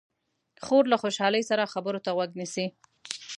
خور له خوشحالۍ سره خبرو ته غوږ نیسي.